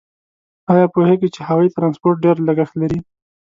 آیا پوهیږئ چې هوایي ترانسپورت ډېر لګښت لري؟